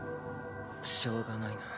しょうがないな。